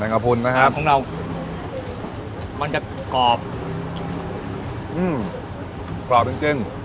กระพุนนะครับของเรามันจะกรอบอืมกรอบจริงจริง